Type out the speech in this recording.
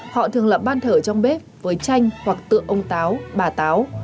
họ thường lập ban thở trong bếp với tranh hoặc tựa ông táo bà táo